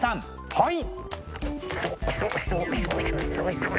はい！